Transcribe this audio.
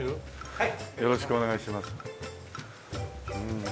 はい。